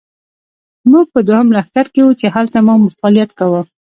موږ په دوهم لښکر کې وو، چې هلته مو فعالیت کاوه.